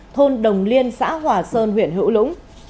thôn đồng liên xã hòa sơn huyện hữu lũng